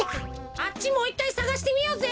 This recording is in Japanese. あっちもういっかいさがしてみようぜ。